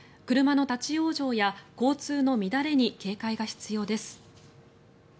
車の立ち往生や交通の乱れに警戒が必要です。